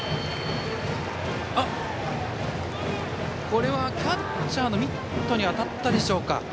これはキャッチャーのミットに当たったでしょうか。